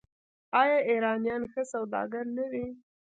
آیا ایرانیان ښه سوداګر نه دي؟